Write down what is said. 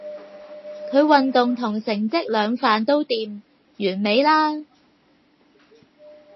佢運動同成績兩瓣都掂，完美啦